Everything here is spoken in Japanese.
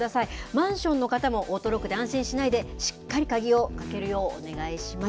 マンションの方もオートロックで安心しないで、しっかり鍵をかけるようお願いします。